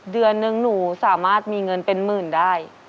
เดือนนึงหนูสามารถมีเงินเป็นหมื่นได้